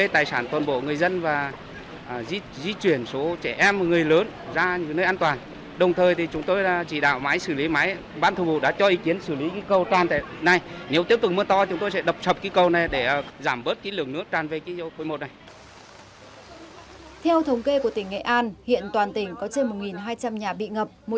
theo thống kê của tỉnh nghệ an hiện toàn tỉnh có trên một hai trăm linh nhà bị ngập